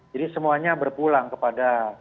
jadi semuanya berpulang kepada